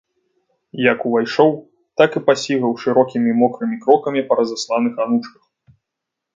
Як увайшоў, так і пасігаў шырокімі мокрымі крокамі па разасланых анучках.